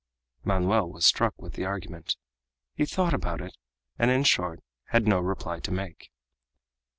_ Manoel was struck with the argument; he thought about it, and, in short, had no reply to make.